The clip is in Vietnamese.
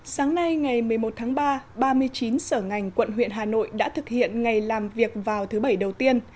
sáng nay ngày một mươi một tháng ba ba mươi chín sở ngành quận huyện hà nội đã thực hiện ngày làm việc vào thứ bảy đầu tiên